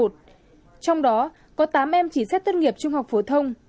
trong đó có tám em chỉ xét tốt nghiệp trung học phổ thông